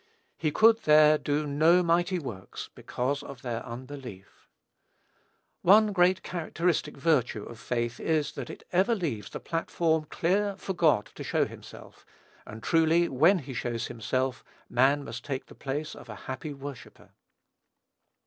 "He could there do no mighty works, because of their unbelief." One great characteristic virtue of faith is, that it ever leaves the platform clear for God to show himself; and truly, when he shows himself, man must take the place of a happy worshipper.